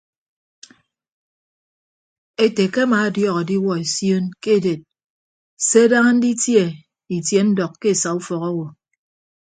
Ete ke amaadiọk adiwuọ esion ke eded se daña nditie itie ndọk ke esa ufọk owo.